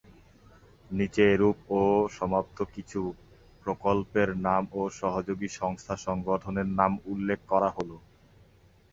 নিচে এরূপ চলমান ও সমাপ্ত কিছু প্রকল্পের নাম ও সহযোগী সংস্থা/সংগঠনের নাম উল্লেখ করা হল।